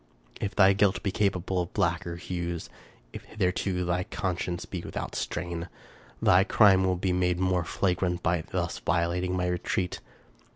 If thy guilt be capable of blacker hues, if hitherto thy con science be without stain, thy crime will be made more flagrant by thus violating my retreat.